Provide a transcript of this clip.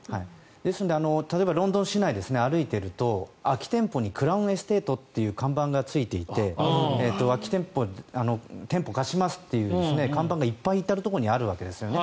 ですので、例えばロンドン市内を歩いていると空き店舗にクラウンエステートっていう看板がついていて店舗を貸しますという看板がいっぱい至るところにあるわけです。